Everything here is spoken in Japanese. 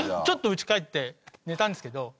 ちょっと家帰って寝たんですけど。